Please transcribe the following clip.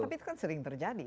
tapi itu kan sering terjadi